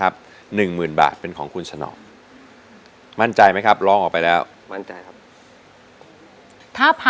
ร้องได้หรือว่าร้องผิดครับ